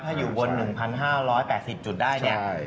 ถ้าอยู่บน๑๕๘๐จุดได้เนี่ย